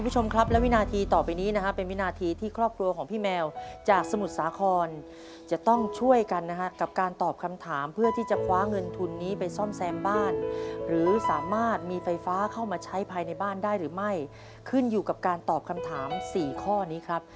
จากสมุทรสาครจะต้องช่วยกันนะครับกับการตอบคำถามเพื่อที่จะคว้าเงินทุนนี้ไปซ่อมแซมบ้านหรือสามารถมีไฟฟ้าเข้ามาใช้ภายในบ้านได้หรือไม่ขึ้นอยู่กับการตอบคำถาม๔ข้อนี้ครับ